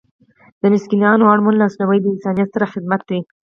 د مسکینانو او اړمنو لاسنیوی د انسانیت ستر خدمت دی.